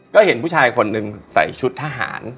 ก็เห็นผู้ชายคนหนึ่งใส่ชุดทหาร